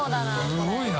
すごいな。